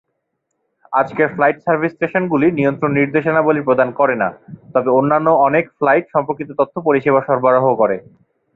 আজকের flight service স্টেশনগুলি নিয়ন্ত্রণ নির্দেশাবলী প্রদান করে না, তবে অন্যান্য অনেক ফ্লাইট সম্পর্কিত তথ্য পরিষেবা সরবরাহ করে।